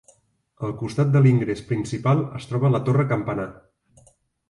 Al costat de l'ingrés principal es troba la torre-campanar.